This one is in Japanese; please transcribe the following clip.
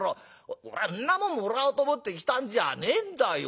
俺んなもんもらおうと思って来たんじゃねえんだよ。